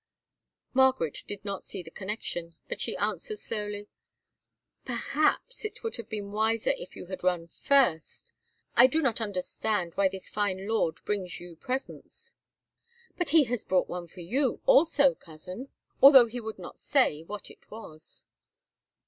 Margaret did not quite see the connection; but she answered slowly: "Perhaps it would have been wiser if you had run first. I do not understand why this fine lord brings you presents." "But he has brought one for you also, Cousin, although he would not say what it was."